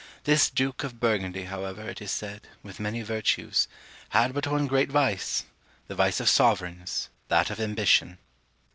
This Duke of Burgundy, however, it is said, with many virtues, had but one great vice, the vice of sovereigns, that of ambition!